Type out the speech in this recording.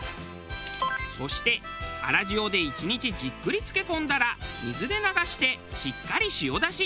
そして粗塩で１日じっくり漬け込んだら水で流してしっかり塩出し。